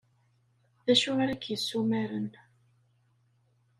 D acu ara k-yessumaren?